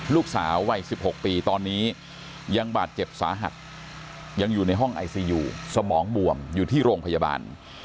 ลูกสาววัย๑๖ปีตอนนี้ยังบาดเจ็บสาหัสยังอยู่ในห้องไอซียูสมองบวมอยู่ที่โรงพยาบาล